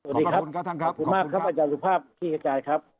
ขอบพระคุณครับท่านครับขอบคุณครับอาจารย์ภาพพี่ขจายครับ